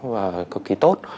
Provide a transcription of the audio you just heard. và cực kỳ tốt